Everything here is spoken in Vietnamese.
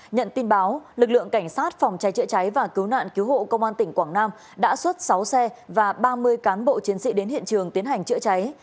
nhận tin báo lực lượng cảnh sát phòng cháy chữa cháy và cứu nạn cứu hộ công an tỉnh quảng nam đã xuất sáu xe và ba mươi cán bộ chiến sĩ đến hiện trường tiến hành chữa cháy